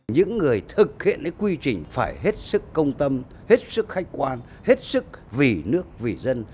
những người thực hiện quy trình phải hết sức công tâm hết sức khách quan hết sức vì nước vì dân